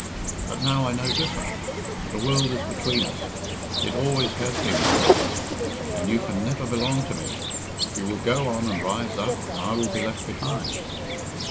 But now I know different. The world is between us. It always has been between us, and you can never belong to me. You will go on and rise up, and I will be left behind."